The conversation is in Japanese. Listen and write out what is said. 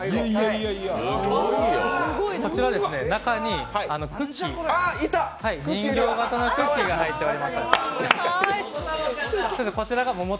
こちら中にクッキー人形形のクッキーが入っています。